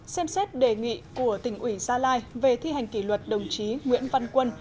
xem xét đề nghị của tỉnh ủy gia lai về thi hành kỷ luật đồng chí nguyễn văn quân